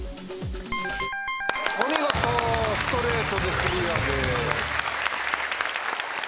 お見事ストレートでクリアです。